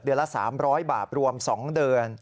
เดือนละ๓๐๐บาทรวม๒เดือน